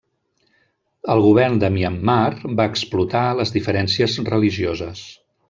El govern de Myanmar va explotar les diferències religioses.